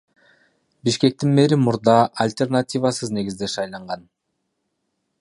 Бишкектин мэри мурда альтернативасыз негизде шайланган.